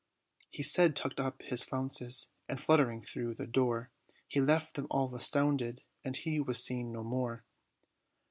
He said, tucked up his flounces, and, fluttering through the door, He left them all astounded, and he was seen no more.